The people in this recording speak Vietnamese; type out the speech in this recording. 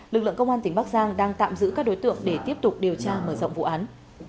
lực lượng công an tỉnh bắc giang đang tạm giữ các đối tượng để tiếp tục điều tra mở rộng vụ án